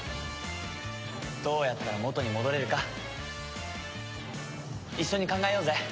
どうやったら元に戻れるか一緒に考えようぜ。